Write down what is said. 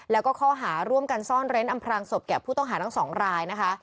แล้วก็ข้อหาร่วมกันซ่อนเร้นอำพรางศพแก่ผู้ต้องหาทั้งสองรายนะคะ